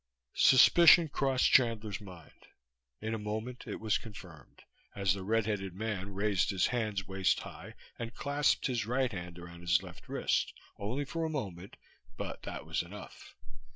Suspicion crossed Chandler's mind. In a moment it was confirmed, as the red headed man raised his hands waist high and clasped his right hand around his left wrist only for a moment, but that was enough.